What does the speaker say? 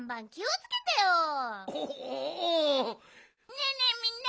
ねえねえみんな！